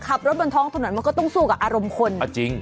ขับรถบนท้องถนนมันก็ต้องสู้กับอารมณ์คนจริง